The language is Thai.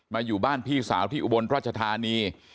อยู่บ้านพี่สาวที่อุบลราชธานี